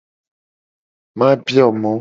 Ma bio mo.